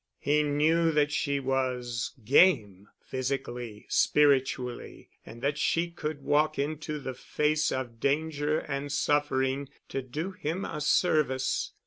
He knew that she was "game," physically, spiritually, and that she could walk into the face of danger and suffering to do him a service.